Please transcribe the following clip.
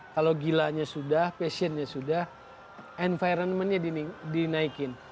kalau gilanya sudah passionnya sudah environment nya dinaikin